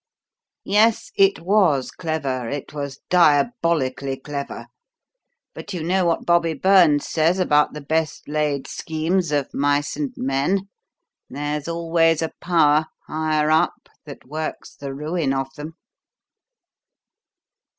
Yes, it was clever, it was diabolically clever; but you know what Bobby Burns says about the best laid schemes of mice and men. There's always a Power higher up that works the ruin of them."